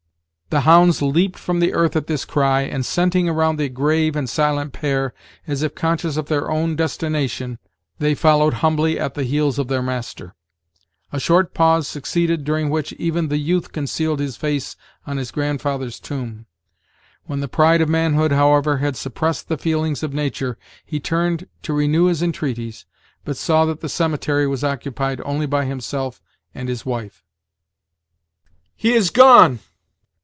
The hounds leaped from the earth at this cry, and scenting around the grave and silent pair, as if conscious of their own destination, they followed humbly at the heels of their master. A short pause succeeded, during which even the youth concealed his face on his grandfather's tomb. When the pride of manhood, however, had suppressed the feelings of nature, he turned to renew his entreaties, but saw that the cemetery was occupied only by himself and his wife. "He is gone!"